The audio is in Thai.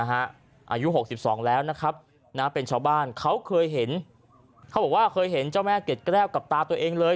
อายุ๖๒แล้วนะครับเป็นชาวบ้านเขาเคยเห็นเขาบอกว่าเคยเห็นเจ้าแม่เกดแก้วกับตาตัวเองเลย